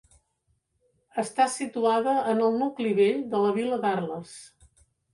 Està situada en el nucli vell de la vila d'Arles.